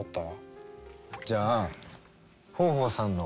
じゃあ豊豊さんの。